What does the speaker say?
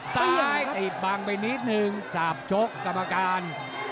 สายตีบางไปนิดนึงสาบโชคกรรมการ